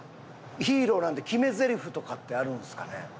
ヒーローなんで決めゼリフとかってあるんですかね？